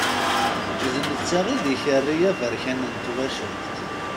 D netta i d ikerri aberkan n twacult.